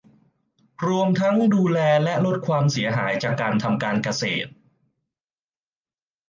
รวมทั้งดูแลและลดความเสียหายจากการทำการเกษตร